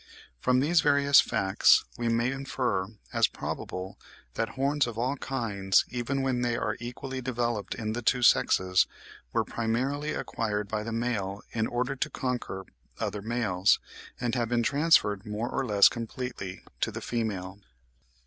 From these various facts we may infer as probable that horns of all kinds, even when they are equally developed in the two sexes, were primarily acquired by the male in order to conquer other males, and have been transferred more or less completely to the female.